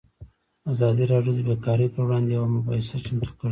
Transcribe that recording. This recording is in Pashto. ازادي راډیو د بیکاري پر وړاندې یوه مباحثه چمتو کړې.